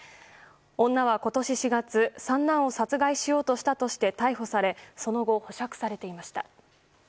女は今年４月三男を殺害しようとしたとして逮捕され、その後保釈されていました。